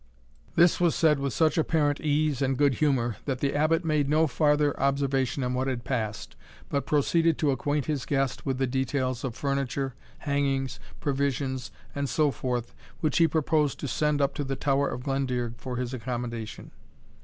This was said with such apparent ease and good humour, that the Abbot made no farther observation on what had passed, but proceeded to acquaint his guest with the details of furniture, hangings, provisions, and so forth, which he proposed to send up to the Tower of Glendearg for his accommodation.